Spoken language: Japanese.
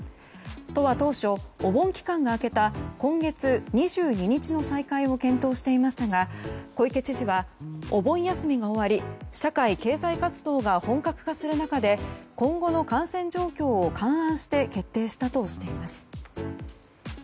都は当初、お盆期間が明けた今月２２日の再開を検討していましたが小池知事は、お盆休みが終わり社会経済活動が本格化する中で今後の感染状況を勘案して決定したとしています。